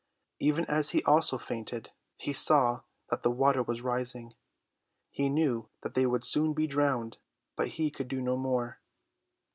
Even as he also fainted he saw that the water was rising. He knew that they would soon be drowned, but he could do no more.